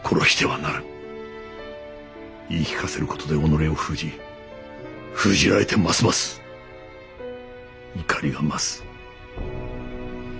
言いきかせる事で己を封じ封じられてますます怒りが増す。